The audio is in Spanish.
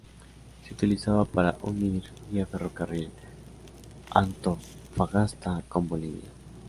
Se utilizaba para unir, vía ferrocarril, Antofagasta con Bolivia.